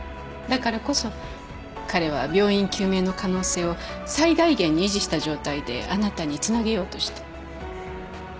だからこそ彼は病因究明の可能性を最大限に維持した状態であなたにつなげようとした。